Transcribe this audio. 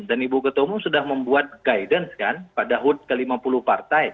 dan ibu ketua umum sudah membuat guidance kan pada hut ke lima puluh partai